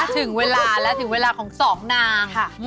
ถึงเวลาและถึงเวลาของสองนาง